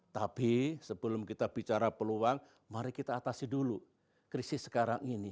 tapi sebelum kita bicara peluang mari kita atasi dulu krisis sekarang ini